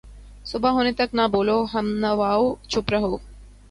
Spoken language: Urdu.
صبح ہونے تک نہ بولو ہم نواؤ ، چُپ رہو